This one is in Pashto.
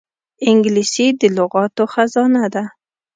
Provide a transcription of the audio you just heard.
انګلیسي د لغاتو خزانه لري